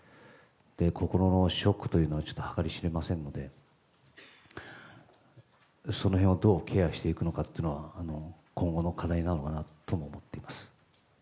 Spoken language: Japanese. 心のショックというのが計り知れませんのでその辺をどうケアしていくのかというのは今後の課題なのかなとも思っています。